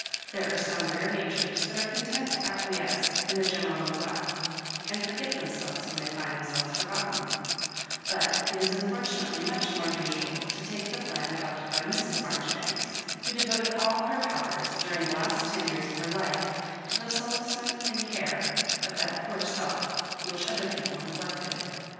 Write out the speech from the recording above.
There are some rare natures that are content to acquiesce in the genpral neglect, and forget themselves when they find themselves forgotten; but it is unfortunately much more usual to take the plan adopted by Mrs. l|^ori banks, who devoted all her powers, during the Last ten years of her life, to the solacement and care of that poor self whkdi other people ne glected.